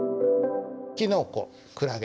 「キノコ」「クラゲ」